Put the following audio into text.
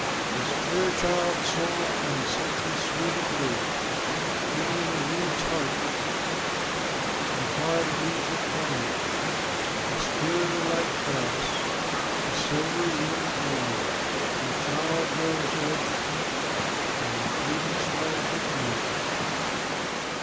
His clear child's soul finds something sweet and newEven in a weed's heart, the carved leaves of corn, The spear like grass, the silvery rim of morn,A cloud rose edged, and fleeting stars at night!